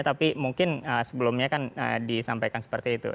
tapi mungkin sebelumnya kan disampaikan seperti itu